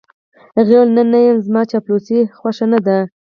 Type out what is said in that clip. هغې وویل: نه، نه یم، زما چاپلوسۍ خوښې نه دي.